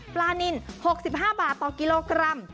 ปลานิน๖๕บาทต่อกิโลกรัม